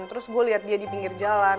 terus gue lihat dia di pinggir jalan